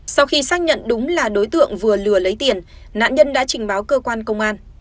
sau khi xác nhận đúng là đối tượng vừa lừa lấy tiền nạn nhân đã trình báo cơ quan công an